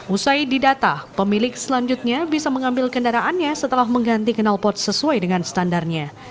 usai didata pemilik selanjutnya bisa mengambil kendaraannya setelah mengganti kenal pot sesuai dengan standarnya